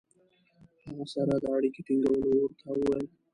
هغه سره د اړیکې ټینګولو ورته وویل.